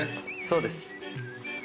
そうです。